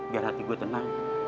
biar hati gue tenang